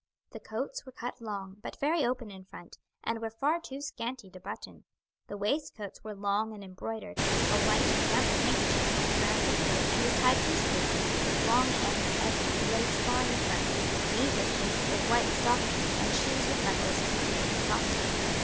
The coats were cut long, but very open in front, and were far too scanty to button; the waistcoats were long and embroidered; a white and ample handkerchief went round the throat and was tied loosely, with long ends edged with lace falling in front; knee breeches, with white stockings, and shoes with buckles, completed the costume.